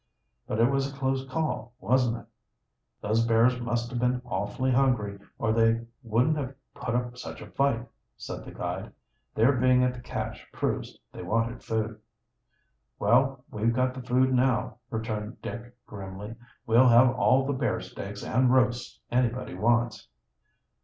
"But it was a close call, wasn't it?" "Those bears must have been awfully hungry, or they wouldn't have put up such a fight," said the guide. "Their being at the cache proves they wanted food." "Well, we've got the food now," returned Dick grimly. "We'll have all the bear steaks and roasts anybody wants."